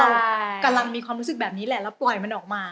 เรากำลังมีความรู้สึกแบบนี้แหละเราปล่อยมันออกมา